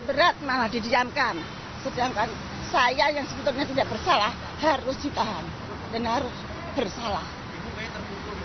berat malah didiamkan sedangkan saya yang sebetulnya tidak bersalah harus ditahan dan harus bersalah